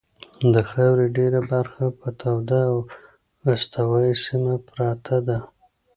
د خاورې ډېره برخه په توده او استوایي سیمه پرته ده.